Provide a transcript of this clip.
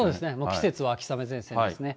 季節は秋雨前線ですね。